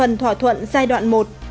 một phần thỏa thuận giai đoạn một